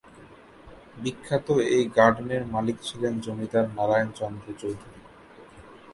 বিখ্যাত এই গার্ডেনের মালিক ছিলেন জমিদার নারায়ণ চন্দ্র চৌধুরী।